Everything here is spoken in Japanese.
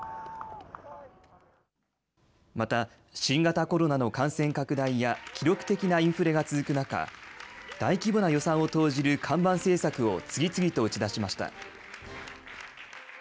また、新型コロナの感染拡大や記録的なインフレが続く中、大規模な予算を投じる看板政策を次々と打ち出しました。